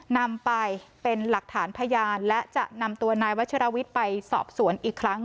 นำไปเป็นหลักฐานพยานและจะนำตัวนายวัชรวิทย์ไปสอบสวนอีกครั้ง